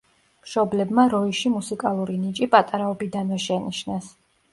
მშობლებმა როიში მუსიკალური ნიჭი პატარაობიდანვე შენიშნეს.